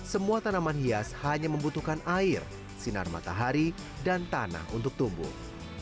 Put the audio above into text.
semua tanaman hias hanya membutuhkan air sinar matahari dan tanah untuk tumbuh